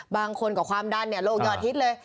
บางคนก็ความดันโลกยอดฮิตเลย